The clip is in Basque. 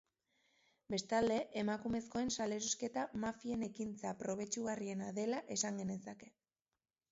Bestalde, emakumezkoen salerosketa mafien ekintza probetxugarriena dela esan genezake.